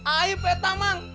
aib ya tamang